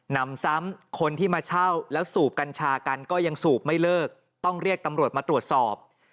นำซ้ำคนที่มาเช่าแล้วสูบกัญชากันก็ยังสูบไม่เลิกต้องเรียกตำรวจมาตรวจสอบ